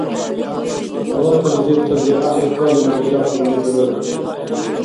Палатализибтази – гӀяхӀли калена бизахъурли дурарухъун.